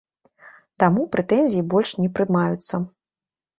Таму прэтэнзіі больш не прымаюцца.